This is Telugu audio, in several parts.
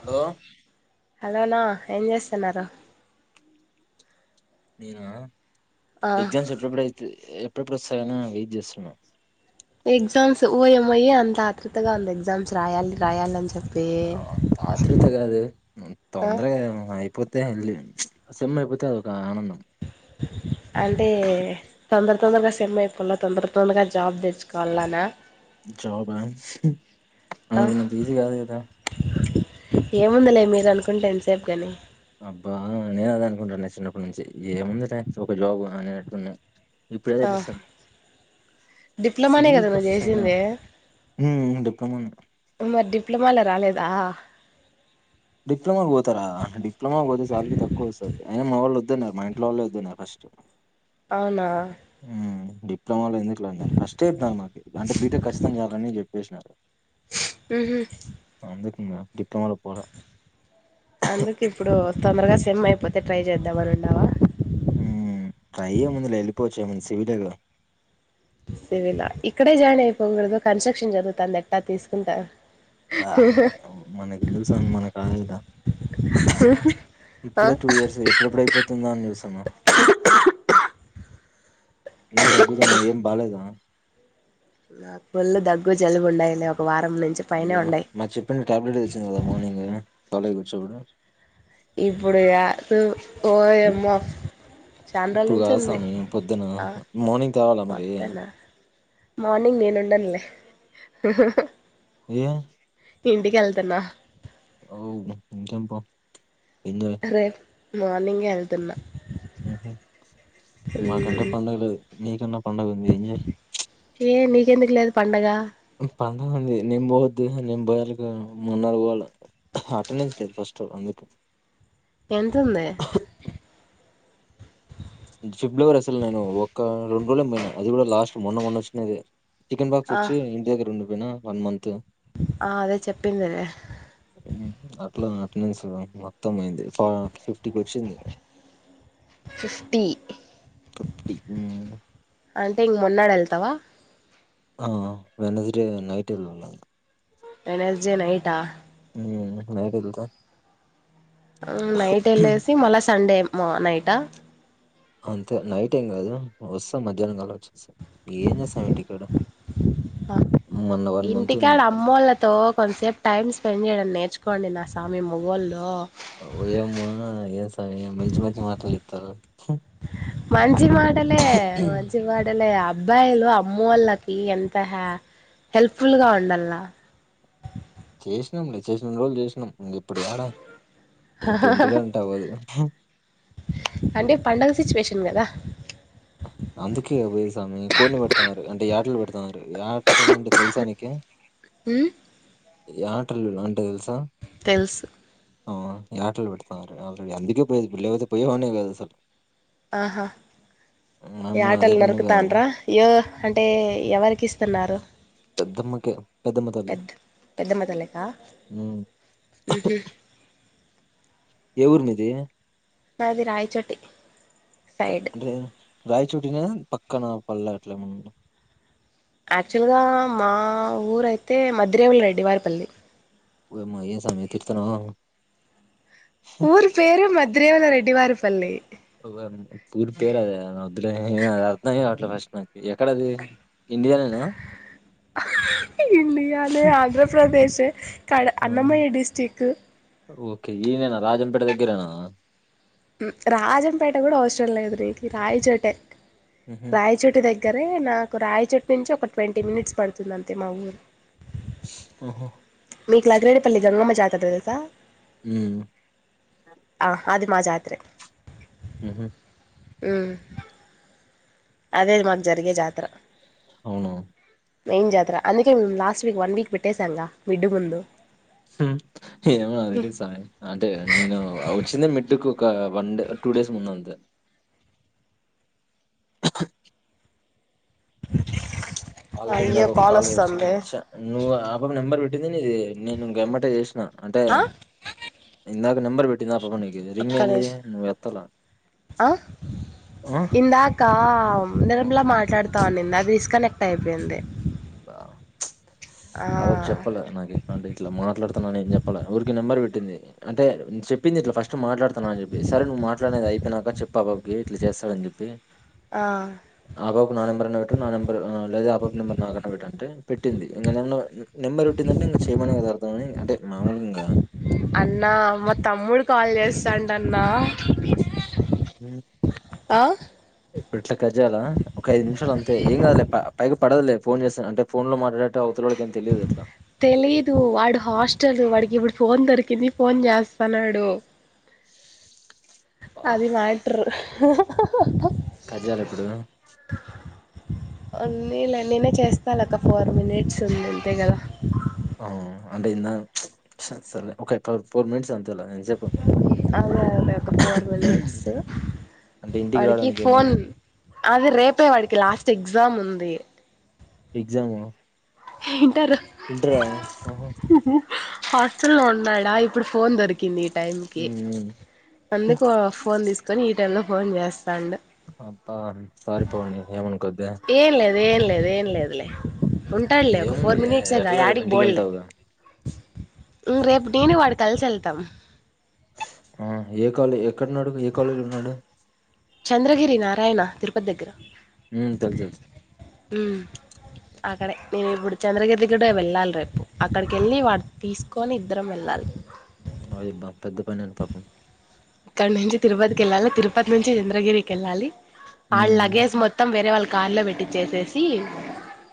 హలో హలోనా ఏం చేస్తున్నారు నేనా ఆ ఎగ్జామ్స్ ఎప్పుడప్పుడు అయితే ఎప్పుడప్పుడు వస్తాయని వెయిట్ చేస్తున్నా ఎగ్జామ్స్ ఓయమ్మో ఏ అంత ఆతృతగా ఉంది ఎగ్జామ్స్ రాయాలి రాయాలని చెప్పి అంత ఆత్రుత ఆ యి పోతే వెళ్ళ సెమ్ అయిపోతే అదొక ఆనందం అంటే తొందర తొందరగా సెమ్ అయిపోల్ల తొందర తొందరగా జాబ్ తెచ్చుకోవాలనా జాబ్ అనుకున్నంత ఈజీ కాదు కదా ఏముందలే మీరు అనుకుంటే ఎంతసేపు గాని అబ్బా నేను అద అనుకుంటాను చిన్నప్పటి నుంచి ఏముంది రే ఒక జాబ్ అనేటప్పుడు ఇప్పుడే ఆ ఎపిస్తున్న డిప్లొమానే కదా నువ్వు చేసింది ఉమ్ డిప్లొమా మరి మొబైల్ లోరాలేదా డిప్లొమాకి పోతారా డిప్లొమాకి పోతే శాలరీ తక్కువ వస్తది అయినా మా వాళ్ళు వద్దున్నారు మా ఇంట్లో వాళ్ళు వద్దున్నారు ఫస్ట్ అవునా నాన్న ఎందుకు లే అన్నారు ఫస్టే [unintelligible] అంటే బి టెక్ ఖచ్చితంగా కాదని చెప్పేసినారు ఉహూ డిప్లొమా పోలే అందుకు ఇప్పుడు తొందరగా సిమ్ అయిపోతే ట్రై చేద్దాంమని ఉన్నావా హ్మ్మ్ ట్రై ఏ ముందు లే వెళ్లిపోచ్చు లే నీది సివిలేగా సివిలా ఇక్కడే జాయిన్ అయిపోకూడదు కన్స్ట్రక్షన్ జరుగుతుంది ఎట్లా తీసుకుంటారు బా మనకి ఎందుకు సామి మనకుా లేదా ఆ ఇప్పుడే టూ ఇయర్స్ ఎప్పుడెప్పుడైపోతుందా అని చూస్తున్న ఏం దగ్గుతున్నావ్ ఏం బాలేదా ఫుల్ దగ్గు జలుబు ఉన్నాయ్ అప్ అయ్యో మాక్ చెప్పిన టాబ్లెట్ తెచ్చింది కదా మార్నింగ్ కాలేజ్ కి వచ్చినప్పుడు ఇప్పుడు ఇగ సు ఇప్ ఓయమ్మో చండ్రోల ఇప్పుడు నుంచి కాదు ఉంది స్వామి పొద్దున. ఆ మార్నింగ్ తేవాలా మరి? మొత్తనా మార్నింగ్ నేను ఉండనులే ఏ ఇంటి కెళ్తున్న ఓ చెంప్పు రేపు మార్నింగే వెళ్తున్నా హుమ్ మాకంటే పండుగ లేదు మీకన్నా ఏ నీకెందుకు లేదు పండగ పండగుంది నిం పోద్దు నిం పోయర్కి మున్నర పోోళ అటెండెన్స్ డే ఫస్ట్ అందు ఎంతుంది ఫిబ్రవరి అసలు నేను ఒక రెండు రోజులు ఏం పోయిన అది కూడా లాస్ట్ మొన్న మొన్న వచ్చినది చికెన్ బాక్స్ ఆ వచ్చి ఇంటి దగ్గర ఉండి పోయినా వన్ మంత్ ఆ అదే చెప్పిందిలే అట్లా ఆటన్నేన్స్ మొత్తం పోయింది ఫ ఫిఫ్టీకి వచ్చింది ఫిఫ్టీ ఫిఫ్టీ అంటే ఇంగ మొన్నాడేళ్తావా ఆ వెనస్డే నైట్ వెళ్లాలి వెనస్జే నైటా హుమ్ నైట్ ఎల్తా ఆ నైట్ వెళ్ళేసి మళ్ళా సండే మొ నైటా అంతే నైట్ ఏం కాదు వస్తాం మధ్యాహ్నం కల్ల వచ్చేస్తా ఏం చేస్తాం ఇంటికాడ మొన్న వన్ మంత్ ఇంటికాడ ఉన్నా అమ్మోళ్ళతో కొంచసేపు టైమ్ స్పెండ్ చేయడం నేర్చు కొండి నా స్వామి మొగోళ్ళు ఓయమ్మా త మంచిి మాటలే మంచిి మాటలే అబ్ అబ్బాయిలు అమ్మ వాళ్ళకి ఎంత హ హెల్ప్ఫుల్గా ఉండలా చేసాంలే చేసినన్ని రోజులు చేసినం ఇంగిప్పుడు ఏడా ఇప్పుడు ఇంటి కడుంటే అవ్వదు అంటే పండగ సిచ్యువేషన్ కదా అందుకేగా పోయ్యేది స్వామి కోడిని పెడతన్నారు అంటే ఆటలు పెడుతున్నా యాటల్ అంటే తెలుసా నీకు ఉమ్ యాటలు అంటే తెలుసా తెలుసు హు ఆటలు పెడతాంే ఆల్రెడీ అందుకే పోయేది లేకపోతే పోయేవాన్నే కాదు అసలు ఆహా మా అమ్మ అదే యాటలు పనిగా నరుకుతాన్రా యో అంటే ఎవరికి ఇస్తున్నారు పెద్దమ్మకే పెద్దమ్మ తల్లి పెట్ పెద్దమ్మ తళ్ళికా ఉమ్ మ్ హు ఏ ఊరు మీది మాది రాయ్చోటి అంటే రాయిచోటిన పక్కన పళ్ళ అట్ల ఏమన్న యాక్చువల్గా మా ఊరైతే మద్ధిరేవుళ రెడ్డి వారిపల్లి ఓయమ్మో ఏ సామీ తిడుతున్నావ ఊరి పేరే మద్ధిరేవుల రెడ్టివారిపల్లి పఊరి పేరు అద వద్దు లే ఏ అది అర్ధమే కావట్లే ఫస్ట్ నాకు ఎక్కడ అది ఇండియానేనా ఇండియానే ఆంధ్రప్రదేశే కడ ఆ, అన్నమయ్య డిస్టిక్ ఓకే ఈయనేనా రాజంపేట దగ్గరేనా రాజంపేట కూడా అవసరం లేదు నీకు రాయచోటే ఉహు రాయిచోటి దగ్గర దగ్గరే నాకు రాయచోట్టు నుంచి ఒక ట్వంటీ మినిట్స్ పడుతుంది అంతే మా ఊరు ఆఓహా మీకు లగరేడిపల్లి గంగమ్మ జాతర తెలుసా ఉం ఆ అది మా జాత్ర ఉహ ఉం అదే మాకు జరిగే జాతర అవునా మెయిన్ జాతర అందుకే మేము లాస్ట్ వీక్ వన్ వీక్ పెట్టేశాంగా మిడ్డు ముందు ఏమ అదిడి సాయి అంటే నేను వచ్చిందే మిడ్డుకు ఒక వన్ టూ డేస్ ముందు అంతే ఆల్రెడీ అయ్యో ఇందాక ఒక కాల్ వేస్ట్ వస్తుంది నువ్ ఆ బబ నెబ పెట్టిందిండి ఇది నేను ఇంకెమ్మట చేసిన అంటే ఆ ఇందాక నెంబర్ పెట్టింది నీది ఒక్క రింగంది నిమిషం నువ్ వెత్తల ఆ ఇందాక ఆ నిరమలా మాట్లాడతా నాది డిస్కనెక్ట్ అయిపోయింది. అబ ఆ అవకు చెప్పాల నాకే అంటే ఇట్లా మాట్లాడుతున్నా న చెప్పాల ఊరికి నెంబర్ట్ అంటే చెప్పింది ఇట్లా ఫస్ట్ మాట్లాతాను అని చెప్పి సరే నువ్ మాట్లాడేది అయిపోయినాక చెప్పాబకి ఇట్లా చేస్త డు అని చెప్పి ఆ అవ్వ కి నా నెంబరన్న పెట్టు నా నెంబర్దా లేదా అవ్వ కి పెట్టు అంటే పెట్టింది ఇంకా నెంబర్ పెట్టిందంటే ఇంకా చేయమనే కద అర్థమని అంటే మామూలుంగా అన్నా మా తమ్ముడు కాల్ చేస్తాండు అన్నా హ ఇప్పు ఇట్లా కట్ జయల ఒక ఐదు నిమిషాలు అంతే ఏం కదలే పై పడదులే ఫోన్ చేస్తాను అంట ఫోన్ లో మాట్లాడే తెలీదు వాడు హాస్టల్ వాడికి ఇప్పుడు ఫోన్ దొరికి ది ఫోన్ చేస్తాన్నాడు. అబ్బా అది మ్యాటర్ కట్ జేయాల ఇప్పుడు అ పోనీ లే నేనే చేస్తాను ఒక ఫోర్ మినిట్స్ ఉంది అంతే కదా ఆ అంటే సరే ఒక ఫోర్ మినిట్స్ అంత ఎంత సేపు అదే అదే ఫోర్ మినిట్స్ అంటే ఇంటికి వాడికి రావడానికి ఫోన్ ఏముంది అదే రేపే వాడికి లాస్ట్ ఎగ్జామ్ ఉంది ఎగ్జామా ఇంటర్ ఆహా హాస్టల్ లో ఉంటాడు ఆ ఇప్పుడు ఫోన్ దొరికింది ఈ టైంకి ఉమ్ ఉమ్ అందుకు ఫోన్ తీసుకొని ఈ టై లో ఫోన్ చేస్తాండు అబ్బా సారి పావని ఏమనుకోద్దే ఏం లేదు ఏం లేదు లే ఉంటాడలే ఒక ఫోర్ ఏముందిలే మినిట్స్ ఏ కద ఎట్లా రేపు యాడికి పోడు లే ఇంటికెళ్తావుగా ఇం రేపు నేను వాడు కలిసి వెళ్తాం. ఆ ఏ కాలేజ ఎక్కడన్నాడు ఏ కాలేజీలో ఉన్నాడు చంద్రగిరి నారాయణ తిరుపతి దగ్గర ఉమ్ తెలుసు తెలుసు అక్కడ నేను ఇప్పుడు చంద్రగిరికి ఇక్కడే వెళ్ళాలి రేపు అక్కడికి వెళ్ళి వాడు తీసుకొని ఇద్దరం వెళ్ళాలి ఓయ్యబా పెద్ద పని అం పాపం ఇక్కడ నుంచి తిరుపతికి వెళ్ళాలి తిరుపతి నుంచి చంద్రగిరికి ఎల్లాలి ఉమ్ ఆడి ఉమ్ లగేజ్ మొత్తం వేరే వాళ్ళ కార్ లో పెట్టిచ్చేసేసి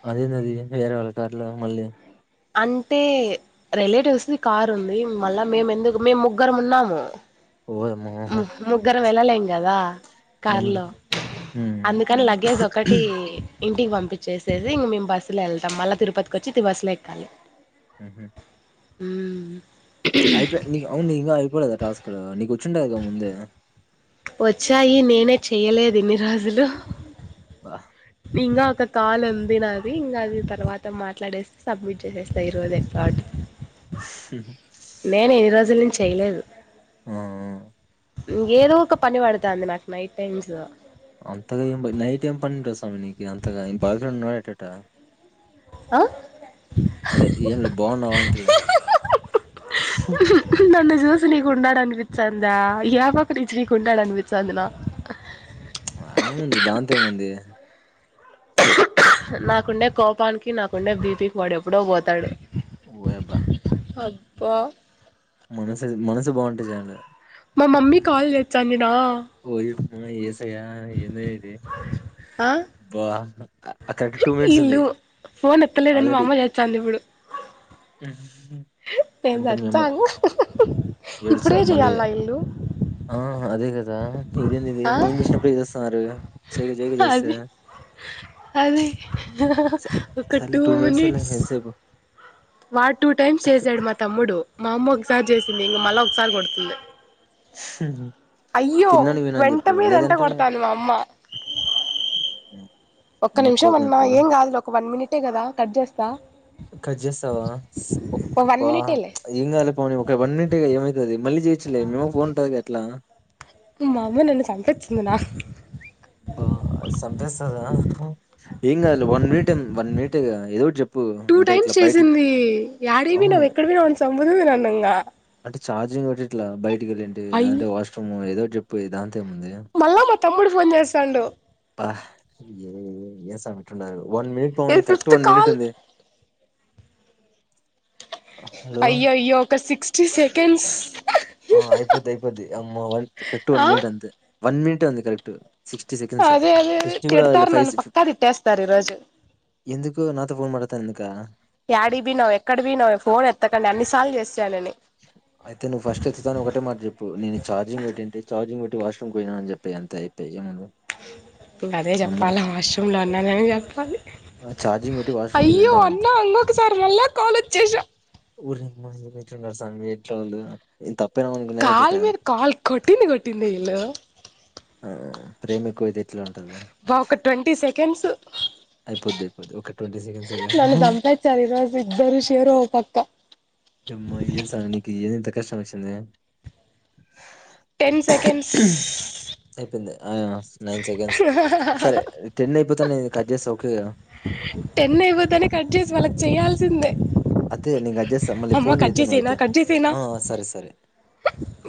అదేందిది వేరే వాళ్ళ కారులో మళ్ళీ అంటే రిలేటివ్స్ది కారు ఉంది మళ్ళా మేము ఎందుకు మేము ముగ్గురు ఉన్నాము ఓయమ్మో ము ఆహా ముగ్గుర వెళ్ళాలం కదా కార్ అవునులే లో ఉమ్ అందుకని లగేజ్ ఒకటి ఇంటికి పంపించేసేసి ఇంక మేము బస్సులో వెళ్తాం మళ్ళీ తిరుపతికి వచ్చి ఇ బస్లో ఎక్కాలి ఆహ ఉమ్ అయిపోయా నీ అవును ఇంకా అయిపోలేదా టాస్ క నీకు వచ్చింట క ముందే వచ్చాయి నేనే చెయలేదు ఇన్ని రోజులు బా ఇంకా ఇ కాల్ ఉంది నాది ఇంకా అది తర్వాత మాట్లాడేస్త సబ్మిట్ చేసేస్తా ఇరువది ఎట్లా నేను ఎన్ని రోజుల నుంచి చేయలేదు ఉ ఉ ఏదో ఒక పని పడతాది నాకు నైట్ టైమ్స్ లో అంతగా ఏం నైట్ ఏం పనింట స్వామి నీకు అంతగా న బాయ్ ఫ్రెండ్ ఉన్నాట్టట ఆ అదే ఏం లే బాగున్నావు అంటలే నన్ను చూసి నీకుండాడానికి వి చాందా యా పచ్చకి కొంటాడా వి చాందినా ఏముంది దాంతో ఏముంది నాకుండే కోపానికి నాకుండే బీపీకి వాడు ఎప్పుడో పోతాడు ఓయబ హబ్బ మనసు మనసు బాగుంటేయి చాలు మా మమ్మీ కాల్ వచ్చాన్నిడా ఆ ఏసగా ఏను ఇది ఆ బా అక్కడక్ టూ మినిట్స్ ఉంది ఈళ్ళు ఫోన్ ఎత్తలేదని మా ఆల్రెడీ అమ్మ చేచ్చాంది ఇప్పుడు నేను అంటే మీ అమ్మ చచ్చాను ఏడుచ ఇప్పుడే మళ్ళీ చెయ్యాలా ఈళ్ళు ఆ అదే కదా ఇదేది ఆ నేను చేసినప్పుడే వస్తున్నారు చెయ్యక చెయ్యక అది చేస్తేయ్ అది ఒక సరేలే టూ త్వోమింటూనేస్ లే మినిట్స్ ఎంత సాపు వాడు టూ టైమ్స్ చేసాడు మా తమ్ముడు మా అమ్మ ఒకసారి చేసింది ఇంక మళ్ళా ఒకసారి కొడుతుంది హ అయ్యో వెంట మీద వెంట కొడతాను అమ్మ ఒక్క మా నిమిషం కోపం అన్నా ఎక్కువ ఏం కాదు ఒక వన్ మినిటే కదా కట్ చేస్తా కట్ చేేస్తావా ఒక్క ఒక వన్ బా మినిటేలే ఏం కాదులే ఓనేమైనట్ ఏమవుతుంది మళ్ళీ చేయచేలే మీఅమ్మ ఫోన్కఉంటుంది గా ఎట్లా మామ నన్ను చంపించింది నా బా సంపేస్తదా వన్ మినిట్ వన్ మినిట్ ఏదో ఒకటి చెప్ టూ టైమ్స్ చేసింది ఏడీకి అవును పోయినవ్ ఎక్కడికి పోయినవ్ అనీ చంపుతుంది నన్నూ ఇనగా అంటే ఛార్జింగ్ పెట్టింట్ల బయటికి వెళ్ళింటి అంటే అయ్యో వాష్రూమ్ ఏదో ఒకటి దాంత ఏముంది మళ్ళా మా తమ్ముడు ఫోన్ చేస్తాండు ఏ ఏట్న్నారు వన్ మినిట్ ఇది Pavani correct fifth one minute call ఉంది హలో అయ్యో అయ్యో ఒక సిక్స్టీ సెకండ్స్ ఆ అయిపోద్ది అయిపోద్ది అమ్న్ కరెక్ట్ ఆ వన్ మినిట్ అంతే వన్ మినిట్ అంది కరెక్ట్ సిక్స్టీ సెకండ్స్ అదే అదే సిక్స్టీ కూడా కాదులే తిడతారు నన్నూ ఫైవ్ పక్క తిట్టేస్తారు ఈ రోజు ఎందుకు నాతో ఫోన్ మాట్లాడతాను ఎందుకా? [inaudible] యాటికి పాయినావ్ ఎక్కడ పోయినావ్ ఫోన్ ఎత్తకండి అన్ని సార్ చేస్త [inaudible] అయితే నువ్వు ఫస్ట్ ని ఒకటే మాట చెప్పు నేను ఛార్జింగ్ పెట్టటింటి చార్జింగ్ పెట్టి వాషూమ్ పోనానని చెప్పి అంత అయిపోయి ఏముంది ఇంకా అదే నమ్మరా? చెప్పాలి వాష్రూమ్లో ఉన్నదని చెప్పాలి ఆ ఛార్జింగ్ పెట్టి వాష్‌రూమ్‌కి అయ్యో ఎళ్ళింటాను అంతే. అన్నా ఇంకొకసారి మళ్ళా కాల్ వచ్చసా ఊరిమ్మాట్లున్నారు స ఎట్ల ఇంత [unintelligible] కాల్ మీద కాల్ కొటింది కొటింది ఇల్ ఆ! ప్రేమ ఎక్కువైతే ఎట్లా ఉంటది? బా ఒక ట్వంటీ సెకండ్స్ అయిపోద్ది అయిపోద్ది. ఒక సెకండ్సేగా. నను చంపాస్తారు ఇరోజు ఇ ద్దరుషేరు ఓపక్క అమ్మా ఏన్ సంగ్కు ఏది ఇంత కష్టం వచ్చంది టెన్ సకెండ్స్ అయిపోయింది నైన్ సెకండ్స్ సరే టెన్ అయిపోతాను నే టెన్ అయిపోతనే కట్ చేసి వాళ్ళకి చేయయాల్సిందే అయితే నేను కట్ చేస్తా మళ్ళ ఫోన్ అయితేను చేసేనా అయితే కట్ చేసేనా ఆ సరే సరే